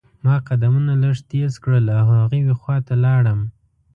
ما قدمونه لږ تیز کړل او هغوی خوا ته لاړم.